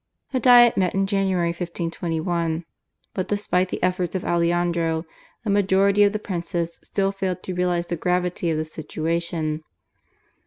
The Diet met in January 1521, but despite the efforts of Aleandro the majority of the princes still failed to realise the gravity of the situation.